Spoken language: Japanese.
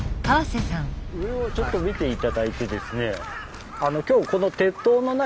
上をちょっと見て頂いてですね。